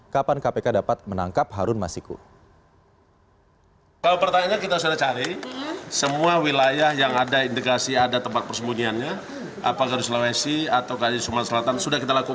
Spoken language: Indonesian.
kapan kpk dapat menangkap harun masiku